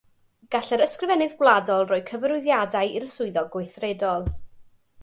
Gall yr Ysgrifennydd Gwladol roi cyfarwyddiadau i'r Swyddog Gweithredol.